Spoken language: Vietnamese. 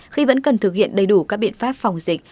khi vẫn cần thực hiện đầy đủ các biện pháp phòng dịch